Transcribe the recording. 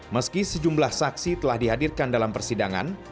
meski sejumlah saksi telah dihadirkan dalam persidangan